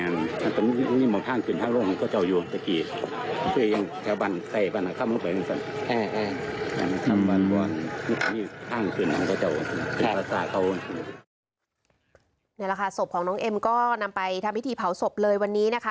นี่แหละค่ะศพของน้องเอ็มก็นำไปทำพิธีเผาศพเลยวันนี้นะคะ